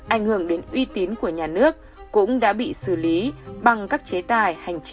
ảnh hưởng đến uy tín của nhà nước cũng đã bị xử lý bằng các chức năng